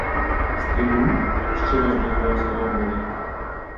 — Стрілу? — щиро здивувався Рогволод.